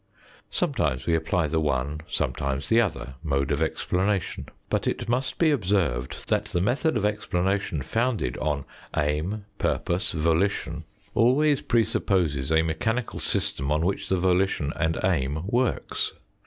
Sometimes we apply the one, sometimes the other mode of explanation. But it must be observed that the method of explana tion founded on aim, purpose, volition, always presupposes 22 THE FOURTH DIMENSION a mechanical system on which the volition and aim works.